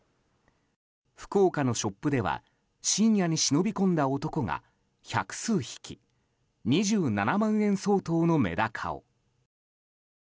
福岡のショップでは深夜に忍び込んだ男が百数匹２７万円相当のメダカを。